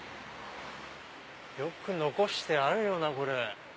よく残してあるよなこれ。